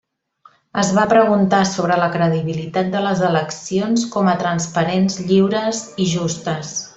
Es va preguntar sobre la credibilitat de les eleccions com a transparents, lliures i justes.